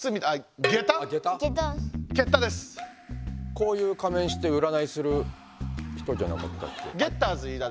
こういうかめんしてうらないする人じゃなかったっけ？